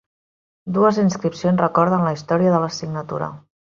Dues inscripcions recorden la història de la signatura.